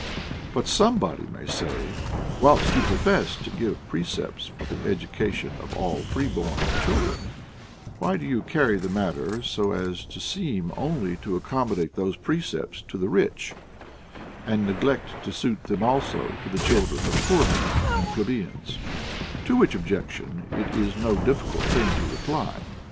But, somebody may say, whilst you profess to give precepts for the education of all free born children, why do you carry the matter so as to seem only to accommodate those precepts to the rich, and neglect to suit them also to the children of poor men and plebeians ] To which objection it is no difficult thing to reply.